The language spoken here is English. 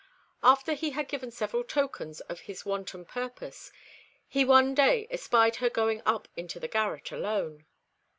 After he had given several tokens of his wanton purpose, he one day espied her going up into the garret alone.